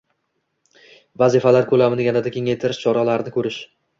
vazifalar ko‘lamini yanada kengaytirish choralarini ko‘rish;